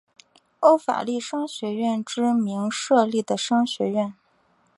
欧法利商学院之名设立的商学院。